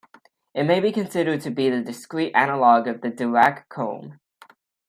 It may be considered to be the discrete analog of the Dirac comb.